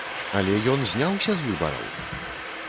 Але ён зняўся з выбараў!